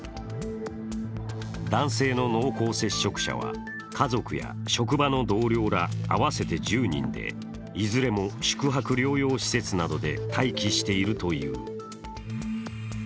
男性の濃厚接触者は家族や職場の同僚ら合わせて１０人でいずれも宿泊療養施設などで待機しているという。